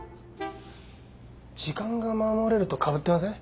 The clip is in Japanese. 「時間が守れる」とかぶってません？